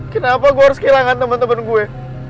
kenapa gue harus kehilangan temen temen gue